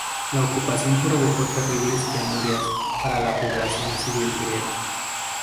La ocupación provocó terribles penurias para la población civil griega.